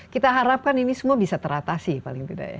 kita harapkan ini semua bisa teratasi paling tidak ya